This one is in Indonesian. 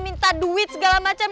minta duit segala macam